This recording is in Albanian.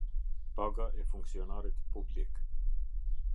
Paga e funksionarit publik.